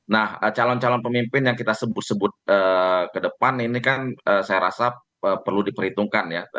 nah calon calon pemimpin yang kita sebut sebut ke depan ini kan saya rasa perlu diperhitungkan ya